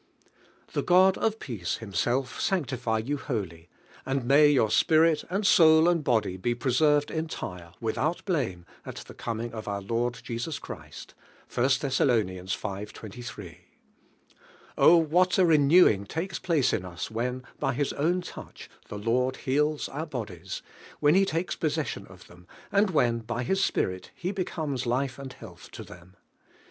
"The God of ]>eace Himself sanctify you wholly, and may your spirit and soul and body be pre served entire, without blame, at the com ing of our Lord Jesus Christ" (1. Thess. v. 23). O, what a renewing takes place in us when, by His own touch, the Lord heals DIVINE IIEALIKQ. our 'bodies, when He takes possession of them, and when by His Spirit He becomes life and 'health to them!